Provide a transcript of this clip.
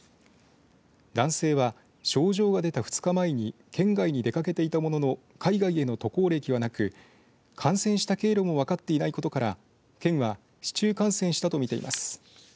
男性は、症状が出た２日前に県外に出かけていたものの海外への渡航歴はなく感染した経路も分かっていないことから県は市中感染したと見ています。